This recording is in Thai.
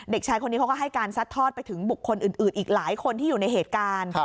เด็กชายคนนี้เขาก็ให้การซัดทอดไปถึงบุคคลอื่นอีกหลายคนที่อยู่ในเหตุการณ์